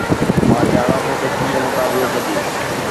مان ڄاڻان ٿو ته ڪيئن مقابلو ڪجي